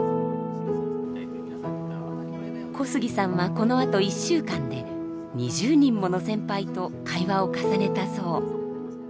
小杉さんはこのあと１週間で２０人もの先輩と会話を重ねたそう。